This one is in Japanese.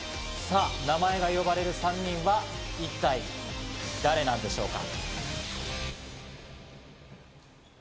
名前が呼ばれる３人は一体誰なんでしょうか？